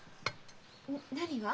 何が？